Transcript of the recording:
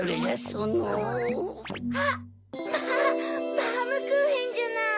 バームクーヘンじゃない。